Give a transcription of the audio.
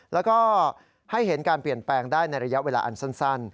แล้วก็ให้เห็นการเปลี่ยนแปลงได้ในระยะเวลาอันสั้น